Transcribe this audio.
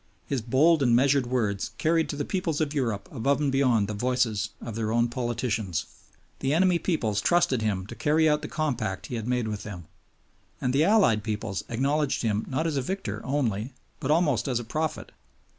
His bold and measured words carried to the peoples of Europe above and beyond the voices of their own politicians. The enemy peoples trusted him to carry out the compact he had made with them; and the Allied peoples acknowledged him not as a victor only but almost as a prophet.